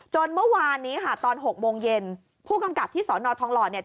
เมื่อวานนี้ค่ะตอน๖โมงเย็นผู้กำกับที่สอนอทองหล่อเนี่ย